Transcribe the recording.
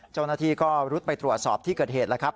เจ้าหน้าที่ก็รุดไปตรวจสอบที่เกิดเหตุแล้วครับ